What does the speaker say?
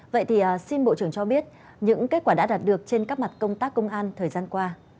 vậy thì xin bộ trưởng cho biết những kết quả đã đạt được trên các mặt công tác công an thời gian qua